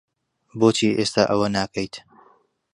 بۆچی ئێستا ئەوە ناکەیت؟